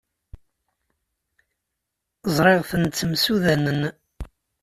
Ẓriɣ-ten ttemsudanen.